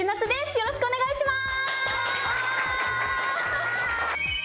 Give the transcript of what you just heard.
よろしくお願いします！